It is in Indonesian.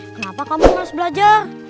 kenapa kamu harus belajar